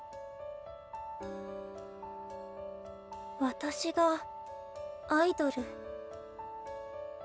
私がアイドル。